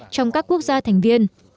trong các quốc gia thành viên